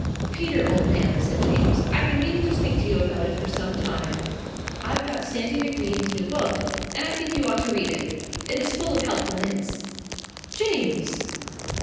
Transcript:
"Peter, old man," said James, "I've been meaning to speak to you about it for some time. I've got Sandy MacBean's new book, and I think you ought to read it. It is full of helpful hints." "James!"